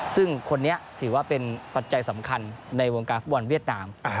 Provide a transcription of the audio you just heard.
ซึ่งคนนี้ถือว่าเป็นปัจจัยสำคัญในวงการฟุตบอลเวียดนาม